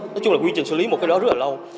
nói chung là quy trình xử lý một cái đó rất là lâu